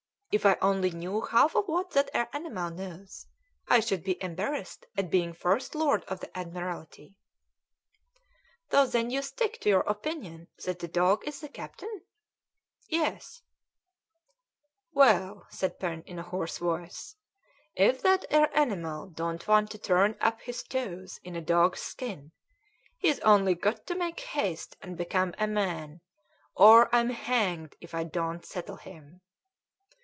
If I only knew half of what that 'ere animal knows, I shouldn't be embarrassed at being First Lord of the Admiralty!" "So then you stick to your opinion that the dog is the captain?" "Yes." "Well," said Pen in a hoarse voice, "if that 'ere animal don't want to turn up his toes in a dog's skin, he's only got to make haste and become a man, or I'm hanged if I don't settle him."